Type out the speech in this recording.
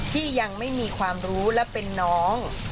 ที่ยังไม่มีความรู้และเป็นน้อง